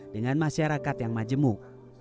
dengan masyarakat yang majemuk